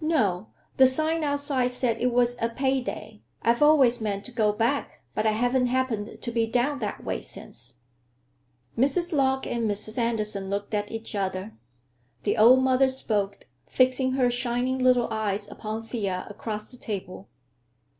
"No. The sign outside said it was a pay day. I've always meant to go back, but I haven't happened to be down that way since." Mrs. Lorch and Mrs. Andersen looked at each other. The old mother spoke, fixing her shining little eyes upon Thea across the table.